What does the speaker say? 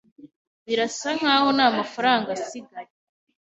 Birasa nkaho ntamafaranga asigaye.